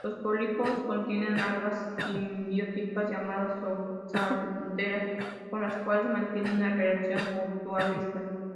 Los pólipos contienen algas simbióticas llamadas zooxantelas, con las cuales mantienen una relación mutualista.